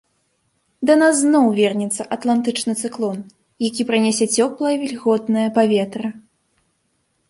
Да нас зноў вернецца атлантычны цыклон, які прынясе цёплае вільготнае паветра.